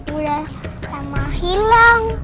udah lama hilang